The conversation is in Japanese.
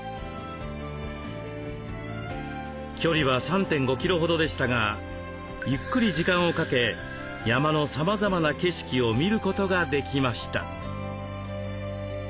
距離は３．５キロほどでしたがゆっくり時間をかけ山のさまざまな景色を見ることができました。